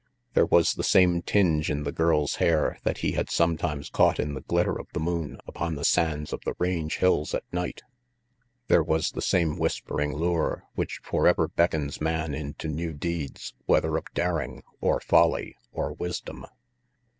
There was the same tinge in the girl's hair that he had sometimes caught in the glitter of the moon upon the sands of the range hills at night; RANGY PETE 241 there was the same whispering lure which forever beckons man into new deeds, whether of daring, or folly, or wisdom.